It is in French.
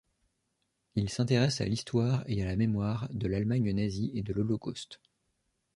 Il s'intéresse à l'histoire et à la mémoire de l'Allemagne nazie et de l'Holocauste.